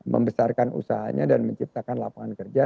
membesarkan usahanya dan menciptakan lapangan kerja